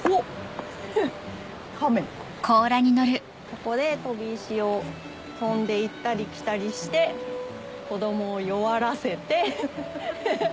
ここで飛び石を跳んで行ったり来たりして子供を弱らせてフフ。